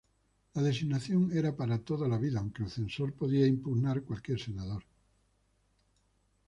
La designación era para toda la vida, aunque el Censor podía impugnar cualquier senador.